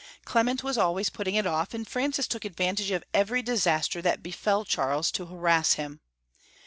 Clement was al* ways putting it off, and Francis took advantage of every disaster that befell Charles to harass him.